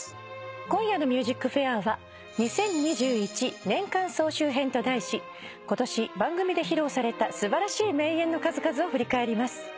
今夜の『ＭＵＳＩＣＦＡＩＲ』は「２０２１年間総集編」と題し今年番組で披露された素晴らしい名演の数々を振り返ります。